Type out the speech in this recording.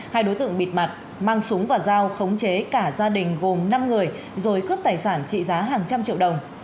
hai đối tượng bịt mặt mang súng và dao khống chế cả gia đình gồm năm người rồi cướp tài sản trị giá hàng trăm triệu đồng